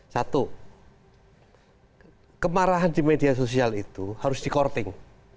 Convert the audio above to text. satu kemarahan di media sosial itu harus di courting